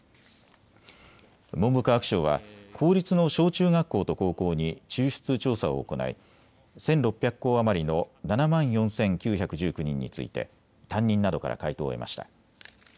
文部科学省は公立の小中学校と高校に抽出調査を行い１６００校余りの７万４９１９人について担任などから回答を得ました。